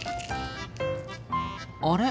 あれ？